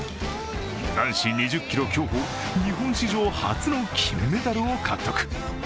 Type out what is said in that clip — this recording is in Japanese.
男子２０ｋｍ競歩、日本史上初の金メダルを獲得。